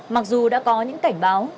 mặc dù đã có những cảnh báo